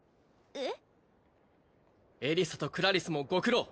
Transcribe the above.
えっ？